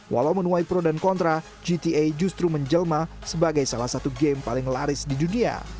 walau menuai pro dan kontra gta justru menjelma sebagai salah satu game paling laris di dunia